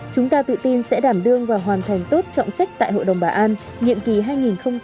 chúng ta tự tin sẽ đảm đương và hoàn thành tốt trọng trách tại hội đồng bảo an nhiệm kỳ hai nghìn hai mươi hai nghìn hai mươi một